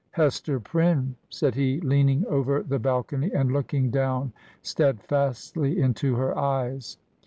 ' Hester Prynne,' said he, leaning over the balcony and looking down steadfastly into her eyes